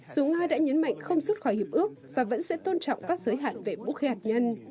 dù nga đã nhấn mạnh không rút khỏi hiệp ước và vẫn sẽ tôn trọng các giới hạn về vũ khí hạt nhân